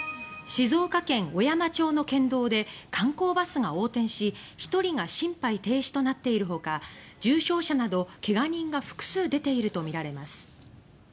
静岡県小山町の県道で観光バスが横転し１人が心肺停止となっているほか重傷者などけが人が複数出ているとみられます。